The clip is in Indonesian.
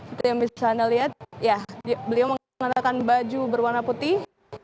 itu yang bisa anda lihat ya beliau menggunakan baju berwarna putih